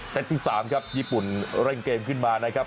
ที่๓ครับญี่ปุ่นเร่งเกมขึ้นมานะครับ